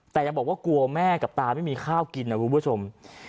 แต่ยังบอกว่ากลัวแม่กับตาไม่มีข้าวกินนะคุณผู้ชม